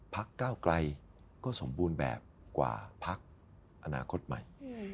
พักก้าวไกลก็สมบูรณ์แบบกว่าพักอนาคตใหม่